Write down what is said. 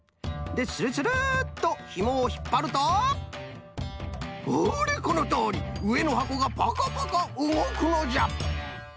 でスルスルっとひもをひっぱるとほれこのとおり！うえのはこがパカパカうごくのじゃ！